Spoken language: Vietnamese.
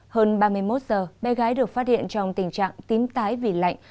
hơn ba mươi một giờ bé gái được phát hiện trong tình trạng tím tái vì lạnh